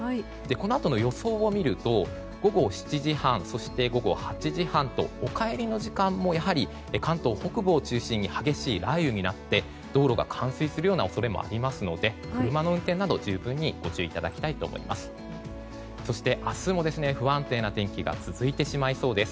このあとの予想をみると午後７時半、そして午後８時半とお帰りの時間もやはり関東北部を中心に激しい雷雨になって道路が冠水する恐れもありますので車の運転など十分にご注意いただきたいと思います。